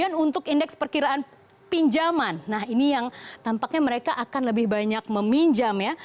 nah untuk indeks perkiraan pinjaman nah ini yang tampaknya mereka akan lebih banyak meminjam ya